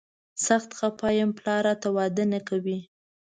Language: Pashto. سخت خفه یم، پلار راته واده نه کوي.